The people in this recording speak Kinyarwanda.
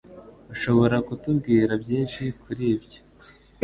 Ushobora kutubwira byinshi kuri ibyo?